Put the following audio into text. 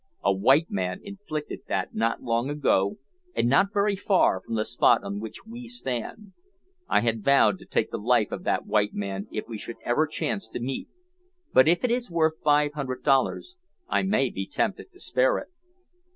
"A white man inflicted that not long ago, and not very far from the spot on which we stand. I had vowed to take the life of that white man if we should ever chance to meet, but if it is worth five hundred dollars I may be tempted to spare it!"